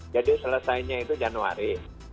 jadi selesainya itu januari